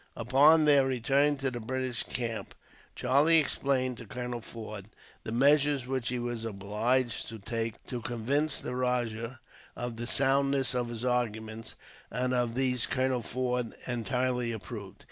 Upon their return to the British camp, Charlie explained to Colonel Forde the measures which he was obliged to take, to convince the rajah of the soundness of his arguments; and of these Colonel Forde entirely approved.